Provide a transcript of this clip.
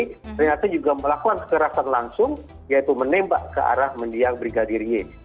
ternyata juga melakukan kekerasan langsung yaitu menembak ke arah mendiang brigadir y